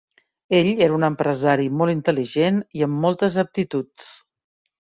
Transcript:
Ell era un empresari molt intel·ligent i amb moltes aptituds.